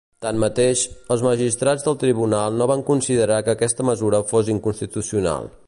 Tanmateix, els magistrats del tribunal no van considerar que aquesta mesura fos inconstitucional.